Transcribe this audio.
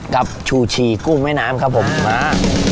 กับชูชีกุ้งแม่น้ำครับผมมา